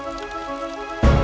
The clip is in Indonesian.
dia ikut riri